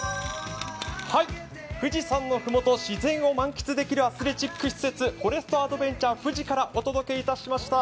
富士山の麓、自然を満喫できるアスレチック施設、フォレストアドベンチャー・フジからお届けいたしました。